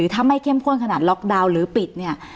ถ้าไม่เข้มข้นขนาดล็อกดาวน์หรือปิดเนี่ย